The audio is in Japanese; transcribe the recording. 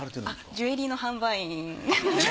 ジュエリーの販売員。